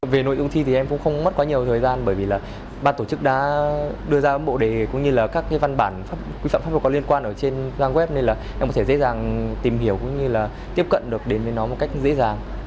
về nội dung thi thì em cũng không mất quá nhiều thời gian bởi vì là ban tổ chức đã đưa ra bộ đề cũng như là các văn bản quy phạm pháp luật có liên quan ở trên trang web nên là em có thể dễ dàng tìm hiểu cũng như là tiếp cận được đến với nó một cách dễ dàng